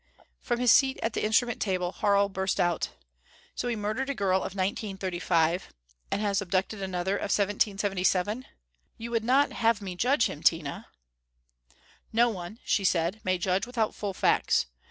From his seat at the instrument table, Harl burst out: "So he murdered a girl of 1935, and has abducted another of 1777? You would not have me judge him, Tina " "No one," she said, "may judge without full facts.